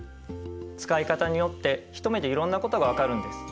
使い方によって一目でいろんなことが分かるんです。